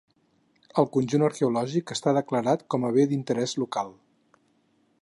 El conjunt arqueològic està declarat com a bé d'interès local.